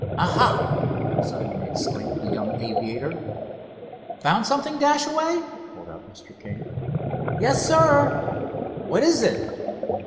"Aha!" suddenly exclaimed the young aviator. "Found something, Dashaway?" called out Mr. King. "Yes, sir." "What is it?"